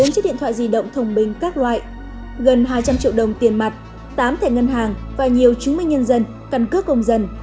bốn chiếc điện thoại di động thông bình các loại gần hai trăm linh triệu đồng tiền mặt tám thẻ ngân hàng và nhiều chứng minh nhân dân căn cước công dân